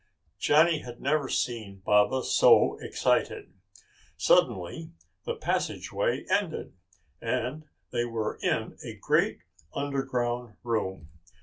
Johnny had never seen Baba so excited. Suddenly, the passageway ended and they were in a great underground room.